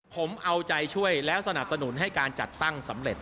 ผมเอาใจช่วยแล้วสนับสนุนให้การจัดตั้งสำเร็จ